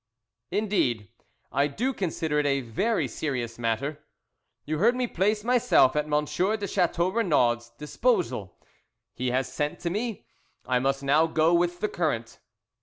"Indeed, I do consider it a very serious matter. You heard me place myself at M. de Chateau Renaud's disposal, he has sent to me. I must now go with the current."